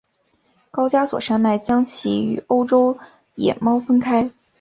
高加索山脉将其与欧洲野猫分开。